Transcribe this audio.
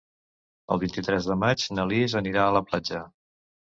El vint-i-tres de maig na Lis anirà a la platja.